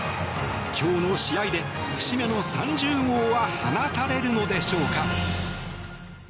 今日の試合で、節目の３０号は放たれるのでしょうか？